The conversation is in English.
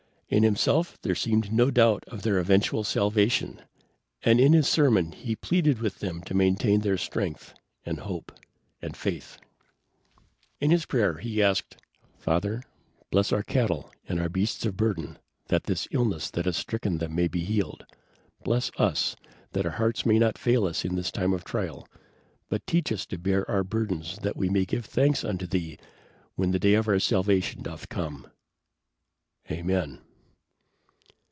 In himself there seemed no doubt of their eventual salvation, and in his sermon he pleaded with them to maintain their strength and hope and faith. In his prayer he asked, "Father, bless our cattle and our beasts of burden that this illness that has stricken them may be healed. Bless us that our hearts may not fail us in this time of trial, but teach us to bear our burdens that we may give thanks unto Thee when the day of our salvation doth come. Amen."